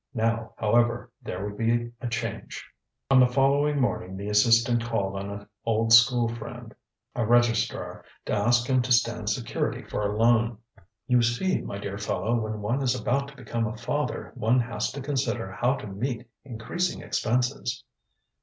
Now, however, there would be a change. ŌĆØ On the following morning the assistant called on an old schoolfriend, a registrar, to ask him to stand security for a loan. ŌĆ£You see, my dear fellow, when one is about to become a father, one has to consider how to meet increasing expenses.